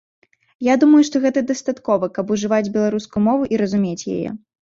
Я думаю, што гэтага дастаткова, каб ужываць беларускую мову і разумець яе.